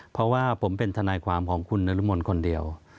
เพราะว่าผมเป็นทนายความของคุณนรมนคนเดียว